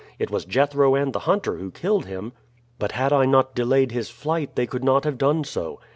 It was Jethro and the hunter who killed him." "But had I not delayed his flight they could not have done so."